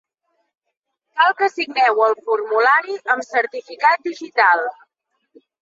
Cal que signeu el formulari amb certificat digital.